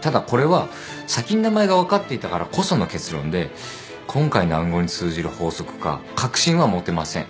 ただこれは先に名前が分かっていたからこその結論で今回の暗号に通じる法則か確信は持てません。